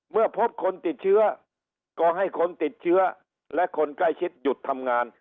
เมื่อพบคนติดเชื้อก็ให้คนติดเชื้อและคนใกล้ชิดหยุดทำงาน